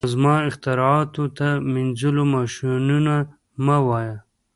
او زما اختراعاتو ته مینځلو ماشینونه مه وایه